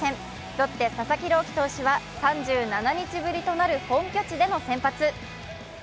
ロッテ・佐々木朗希投手は３７日ぶりとなる本拠地での先発。